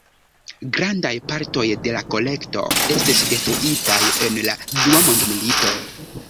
Grandaj partoj de la kolekto estis detruitaj en la dua mondmilito.